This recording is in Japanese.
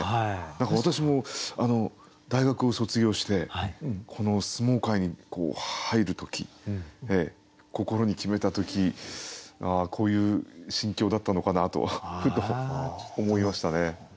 何か私も大学を卒業してこの相撲界に入る時心に決めた時こういう心境だったのかなとふと思いましたね。